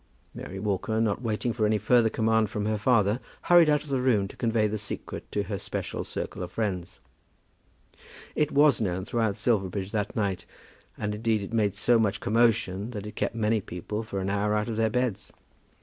Mary Walker, not waiting for any further command from her father, hurried out of the room to convey the secret to her special circle of friends. It was known throughout Silverbridge that night, and indeed it made so much commotion that it kept many people for an hour out of their beds.